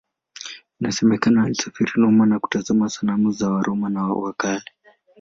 Inasemekana alisafiri Roma na kutazama sanamu za Waroma wa Kale.